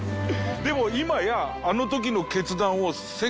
でも今や。